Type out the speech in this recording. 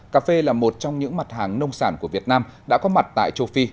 cà phê là một trong những mặt hàng nông sản của việt nam đã có mặt tại châu phi